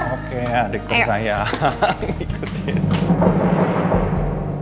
oke adik tersayang ikutin